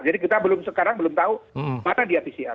jadi kita belum sekarang belum tahu mana dia pcr